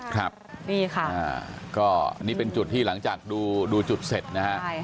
ครับนี่ค่ะก็อันนี้เป็นจุดที่หลังจากดูจุดเสร็จนะฮะ